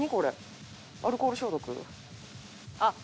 アルコール消毒？あっ。